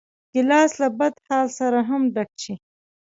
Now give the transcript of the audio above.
ګیلاس له بدحال سره هم ډک شي.